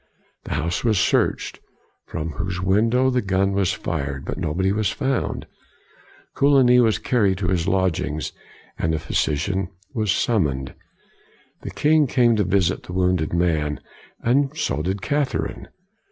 The house was searched, from whose window the gun was fired, but nobody was found. Coligny was carried to his lodgings, and a phy sician was summoned. The king came to visit the \vounded man, and so did Cath erine.